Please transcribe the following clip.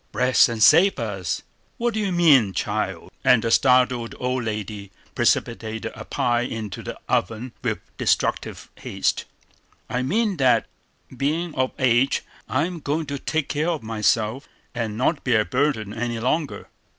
"Bless and save us, what do you mean, child?" And the startled old lady precipitated a pie into the oven with destructive haste. "I mean that, being of age, I'm going to take care of myself, and not be a burden any longer.